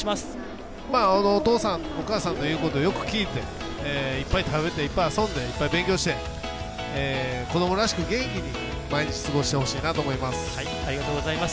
お父さん、お母さんの言うことをよく聞いていっぱい食べて、いっぱい遊んでいっぱい勉強して子どもらしく元気に毎日過ごしてほしいなと思います。